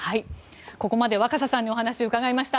ここまで若狭さんにお話を伺いました。